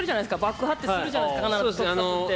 爆破ってするじゃないですか必ず特撮って。